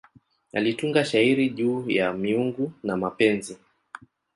Alitunga shairi juu ya miungu na mapenzi.